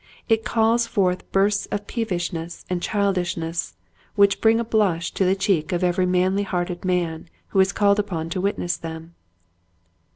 It calls forth bursts of peevishness and childishness which bring a blush to the cheek of every manly hearted man who is called upon to witness them.